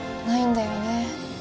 ないんだよね